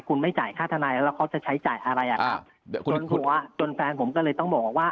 คุณไม่จ่ายค่าทนายแล้วเขาจะใช้จ่ายอะไรอ่ะครับเดี๋ยวคุณบอกว่าจนแฟนผมก็เลยต้องบอกว่า